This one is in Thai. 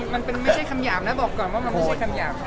มันเป็นไม่ใช่คำหยาบนะบอกก่อนว่ามันไม่ใช่คำหยาบค่ะ